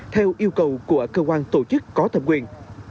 theo yêu cầu của cơ quan tổ chức có thẩm quyền